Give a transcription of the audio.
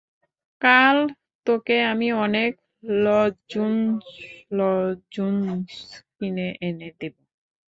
কাল তোকে আমি অনেক লজঞ্জুস কিনে এনে দেব।